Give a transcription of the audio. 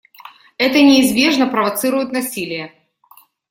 Это неизбежно провоцирует насилие.